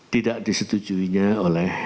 tidak disetujuinya oleh